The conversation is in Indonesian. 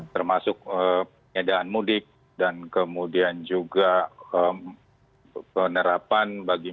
termasuk penyedahan mudik dan kemudian juga penerapan bagi mereka yang sudah berpengalaman